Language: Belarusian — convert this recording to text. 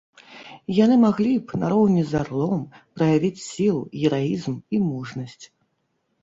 Яны маглі б, нароўні з арлом, праявіць сілу, гераізм і мужнасць.